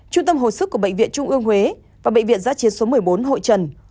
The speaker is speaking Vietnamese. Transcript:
trung tâm hồi sức của bệnh viện trung ương huế và bệnh viện giã chiến số một mươi bốn hội trần